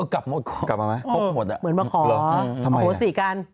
กลับมามั้ยพบหมดอ่ะเหมือนว่าขอโอ้โฮสิกัน